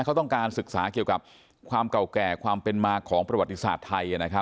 เขาต้องการศึกษาเกี่ยวกับความเก่าแก่ความเป็นมาของประวัติศาสตร์ไทย